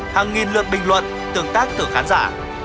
hàng nghìn lượt bình luận tương tác thử khán giả